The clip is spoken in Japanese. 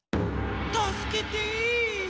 たすけて！